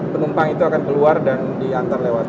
penumpang itu akan keluar dan diantar lewat